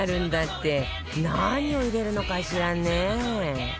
何を入れるのかしらね？